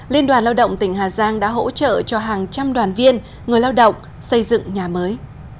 liên đoàn lao động tỉnh hà giang đã hỗ trợ cho hàng trăm đoàn viên người lao động xây dựng nhà mới